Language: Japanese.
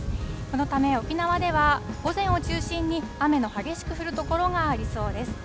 このため沖縄では、午前を中心に雨の激しく降る所がありそうです。